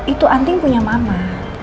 itu anting punya mama